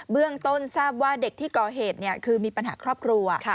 เรื่องต้นทราบว่าเด็กที่ก่อเหตุคือมีปัญหาครอบครัว